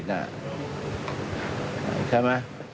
ใช่ไหม